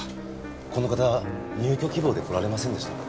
この方入居希望で来られませんでしたか？